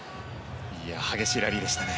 激しいラリーでしたね。